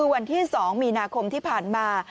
วันที่๒มีนาคมที่ผ่านมา